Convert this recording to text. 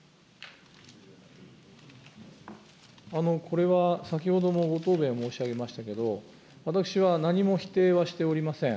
これは、先ほどもご答弁申し上げましたけれども、私は何も否定はしておりません。